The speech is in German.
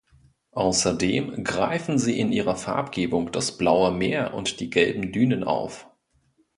Außerdem greifen sie in ihrer Farbgebung das blaue Meer und die gelben Dünen auf.